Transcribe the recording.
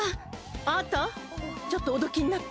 あたちょっとおどきになって。